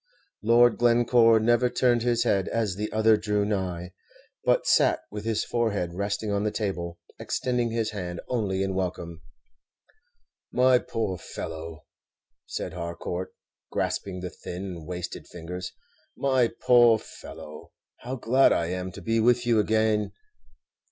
Lord Glencore never turned his head as the other drew nigh, but sat with his forehead resting on the table, extending his hand only in welcome. "My poor fellow!" said Harcourt, grasping the thin and wasted fingers, "my poor fellow, how glad I am to be with you again!"